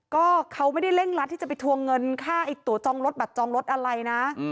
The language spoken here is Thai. ก็เขาไม่ได้เร่งรัดที่จะไปทวงเงินค่าตัวจองรถบัตรจองรถอะไรนะ